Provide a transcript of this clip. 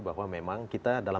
bahwa memang kita dalam pernegaraan